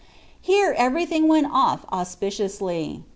Here everything went off auspiciously.